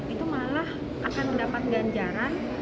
itu malah akan mendapat ganjaran